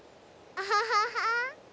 アハハハ。